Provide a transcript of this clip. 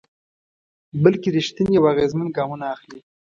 بلکې رېښتيني او اغېزمن ګامونه اخلي.